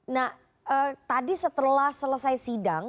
nah tadi setelah selesai sidang